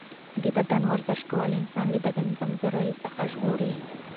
د بدن ورزش کول انسان له بدني کمزورۍ څخه ژغوري.